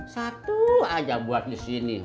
satu aja buat di sini